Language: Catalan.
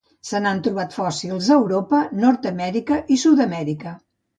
Se n'han trobat fòssils a Europa, Nord-amèrica i Sud-amèrica.